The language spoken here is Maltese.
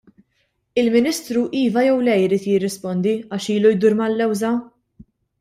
Il-Ministru iva jew le jrid jirrispondi għax ilu jdur mal-lewża!